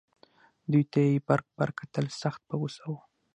دوی ته یې برګ برګ کتل سخت په غوسه و.